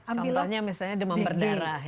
contohnya misalnya demam berdarah